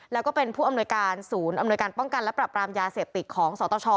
แล้วก็เป็นผู้อำนวยการศูนย์อำนวยการป้องกันและปรับรามยาเสพติดของสตช